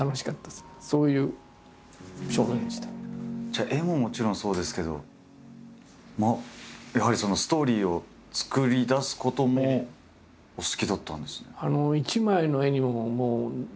じゃあ絵ももちろんそうですけどやはりストーリーを作り出すこともお好きだったんですね。